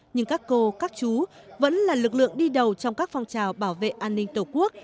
nhưng các cô các chú vẫn là lực lượng đi đầu trong các phong trào bảo vệ an ninh tổ quốc